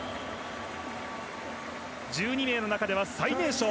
１２名の中では最年少。